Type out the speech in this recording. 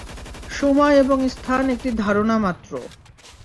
সময় এবং স্থান একটি ধারণা মাত্র।